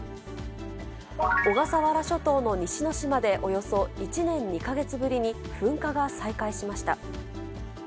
小笠原諸島の西之島でおよそ１年２か月ぶりに噴火が再開しました。